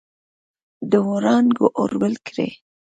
د وړانګو اور بل کړي